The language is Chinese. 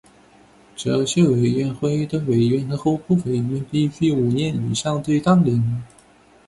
这些委员会的委员和候补委员必须有五年以上的党龄。